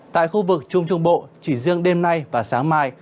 tại khu vực trung trung bộ chỉ riêng đêm nay và sáng mai